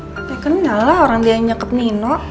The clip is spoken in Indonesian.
ya kenal lah orang dia yang nyekap nino